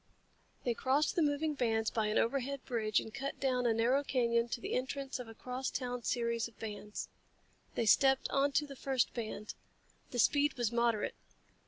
They crossed the moving bands by an overhead bridge and cut down a narrow canyon to the entrance of a crosstown series of bands. They stepped onto the first band. The speed was moderate.